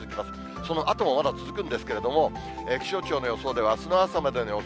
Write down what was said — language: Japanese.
そのあともまだ続くんですけれども、気象庁の予想では、あすの朝までの予想